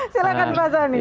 silahkan pak sony